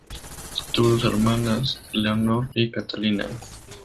Tuvo dos hermanas: Leonor y Catalina.